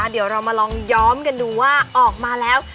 เดี๋ยวเรามาลองย้อมกันดูว่าออกมาแล้ว